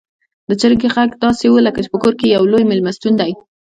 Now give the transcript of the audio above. د چرګې غږ داسې و لکه چې په کور کې يو لوی میلمستون دی.